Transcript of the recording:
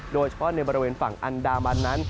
โดยเฉพาะในบริเวณฝั่งอันดามันนั้น